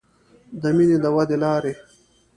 د مینې د ودې لارې